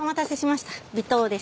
微糖です。